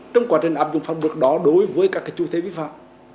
trong quá trình áp dụng pháp luật đó đối với các chủ thể vi phạm